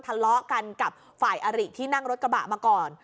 ทะเลาะกันกับฝ่ายอริที่นั่งรถกระบะมาก่อน